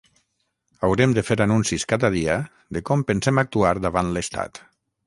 Haurem de fer anuncis cada dia de com pensem actuar davant l’estat.